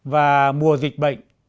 và mùa dịch bệnh